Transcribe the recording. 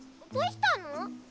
どうしたの？